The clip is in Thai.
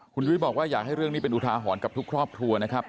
คุณยุ้ยบอกว่าอยากให้เรื่องนี้เป็นอุทาหรณ์กับทุกครอบครัวนะครับ